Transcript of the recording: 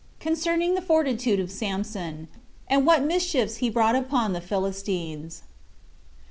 Concerning The Fortitude Of Samson, And What Mischiefs He Brought Upon The Philistines.